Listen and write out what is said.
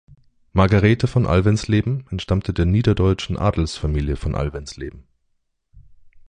Margarethe von Alvensleben entstammte der niederdeutschen Adelsfamilie von Alvensleben.